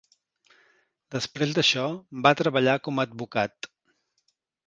Després d'això, va treballar com a advocat.